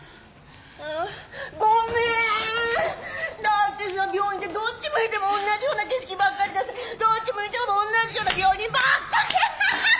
だってさ病院ってどっち向いてもおんなじような景色ばっかりだしどっち向いてもおんなじような病人ばっかアハハハ！